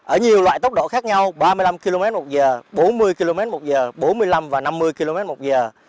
ở nhiều loại tốc độ khác nhau ba mươi năm km một giờ bốn mươi km một giờ bốn mươi năm và năm mươi km một giờ